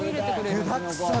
具だくさん。